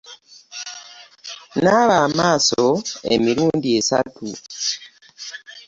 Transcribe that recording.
Naaba amaaso emirundu esatu.